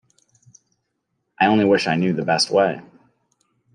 I only wish I knew the best way!